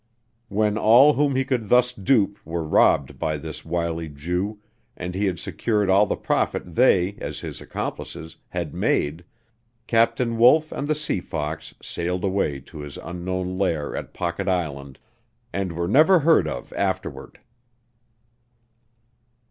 When all whom he could thus dupe were robbed by this wily Jew and he had secured all the profit they, as his accomplices, had made, Captain Wolf and the Sea Fox sailed away to his unknown lair at Pocket Island, and were never heard of afterward.